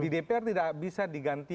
di dpr tidak bisa diganti